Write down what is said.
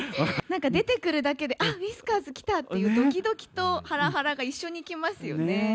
なんか出てくるだけで、あっ、ウィスカーズ来たっていう、どきどきとはらはらが一緒にきますよね。